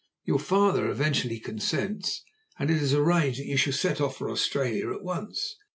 Your father eventually consents, and it is arranged that you shall set off for Australia at once.